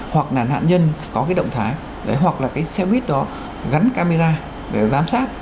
hoặc là nạn nhân có cái động thái hoặc là cái xe buýt đó gắn camera để giám sát